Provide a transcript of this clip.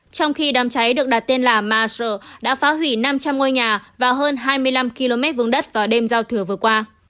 trong khi đám cháy được đặt tên là marshal đã phá hủy năm trăm linh ngôi nhà và hơn hai mươi năm km vùng đất vào đêm giao thừa vừa qua